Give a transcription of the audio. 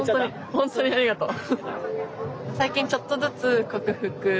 本当にありがとう。